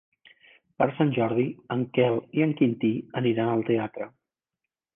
Per Sant Jordi en Quel i en Quintí aniran al teatre.